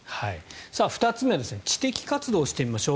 ２つ目は知的活動をしてみましょう。